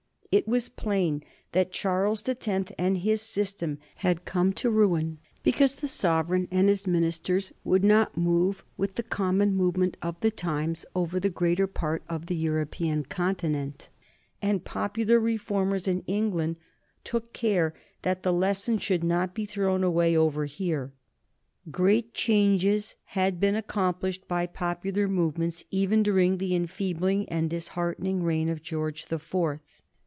It was plain that Charles the Tenth and his system had come to ruin because the sovereign and his ministers would not move with the common movement of the times over the greater part of the European continent, and popular reformers in England took care that the lesson should not be thrown away over here. Great changes had been accomplished by popular movements even during the enfeebling and disheartening reign of George the Fourth.